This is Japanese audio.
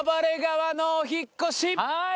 はい！